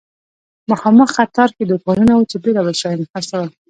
مخامخ قطار کې دوکانونه وو چې بیلابیل شیان یې خرڅول.